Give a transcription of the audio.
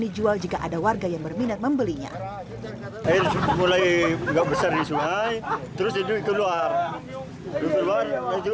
dijual jika ada warga yang berminat membelinya mulai enggak besar disuai terus hidup keluar